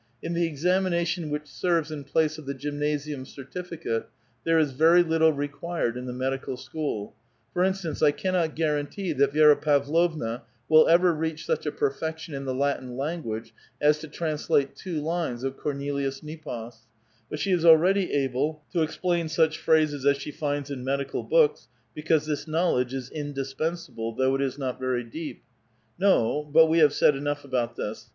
In the examination which serves in place of the gymnasium certificate ^ there is very little re quired in the medical school ; for instance, I cannot guaran tee that Vi^ra Pavlovna will ever reach such a perfection in the Latin language as to translate two lines of Cornelius Nepos, but she is already able to explain such phrases as she finds in medical books, because this knowledge is indispensa ble, though it is not very deep. No — but we have said enough about this.